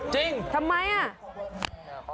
จริงทำไมอ่ะ